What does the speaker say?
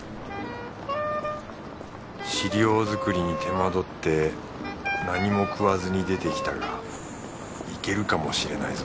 資料作りに手間取って何も食わずに出てきたがいけるかもしれないぞ